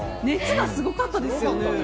熱がすごかったですよね。